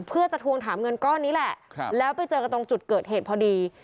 เพื่อจะทวงถามเงินก้อนนี้แหละแล้วไปเจอกันตรงจุดเกิดเหตุพอดี